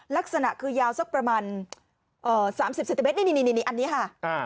ลักษณะคือยาวสักประมาณ๓๐เซนติเมตรนี่อันนี้ค่ะ